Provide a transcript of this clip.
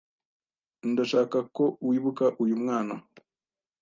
Ndashaka ko wibuka uyu mwana.